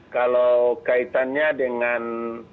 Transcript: kalau kaitannya dengan